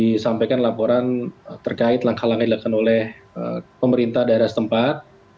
disampaikan laporan terkait langkah langkah dilakukan oleh pemerintah daerah setempat